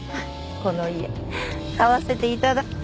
この家買わせていただ。